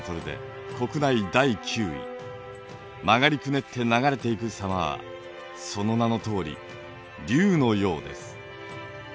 曲がりくねって流れていく様はその名のとおり竜のようです。